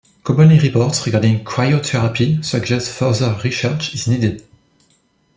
Commonly reports regarding cryotherapy suggest further research is needed.